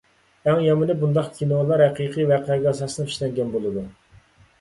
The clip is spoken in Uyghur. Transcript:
ئەڭ يامىنى، بۇنداق كىنولار ھەقىقىي ۋەقەگە ئاساسلىنىپ ئىشلەنگەن بولىدۇ.